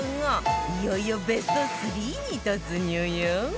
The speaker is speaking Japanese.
いよいよベスト３に突入よ